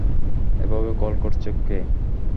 এভাবে কল করছে কে?